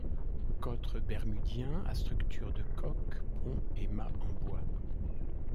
Cotre bermudien à structure de coque, pont et mât en bois.